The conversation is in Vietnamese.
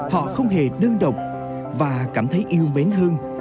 họ không hề đơn độc và cảm thấy yêu mến hơn